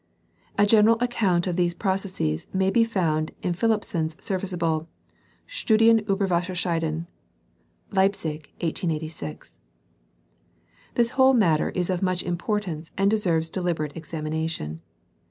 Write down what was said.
A general account of these pro cesses may be found in Phillippson's serviceable " Studien tiber Wasserscheiden " (Leipzig, 1886). This whole matter is of much importance and deserves deliberate examination.